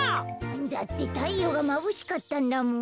だってたいようがまぶしかったんだもん。